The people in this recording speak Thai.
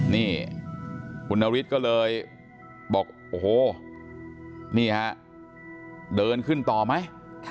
นี่คุณนฤทธิ์ก็เลยบอกโอ้โหนี่ฮะเดินขึ้นต่อไหม